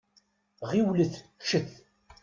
Ɣiwlet ččet.